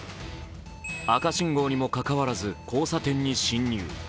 赤信号にもかかわらず交差点に進入。